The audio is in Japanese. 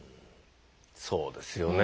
そうですよね。